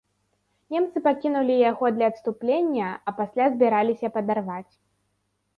Немцы пакінулі яго для адступлення, а пасля збіраліся падарваць.